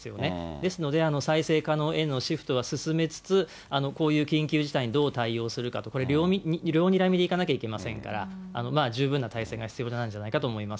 ですので、再生可能へのシフトは進めつつ、こういう緊急事態にどう対応するかとか、これ、両にらみでいかなきゃいけませんから、十分な体制が必要なんじゃないかと思います。